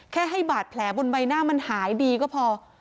ให้บาดแผลบนใบหน้ามันหายดีก็พอ